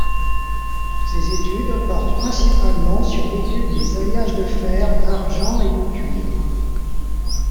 Ses études portent principalement sur l'étude des alliages de fer, d'argent et de cuivre.